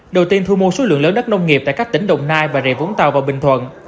đầu tiên thu mua số lượng lớn đất nông nghiệp tại các tỉnh đồng nai bà rịa vũng tàu và bình thuận